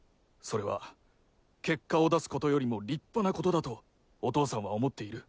それは結果を出すことよりも立派なことだとお父さんは思っている。